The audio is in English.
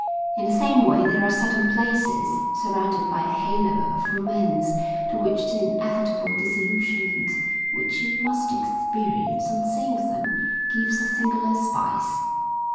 In the same way there are certain places, surrounded by a halo of romance, to which the inevitable disillusionment which you must experience on seeing them gives a singular spice.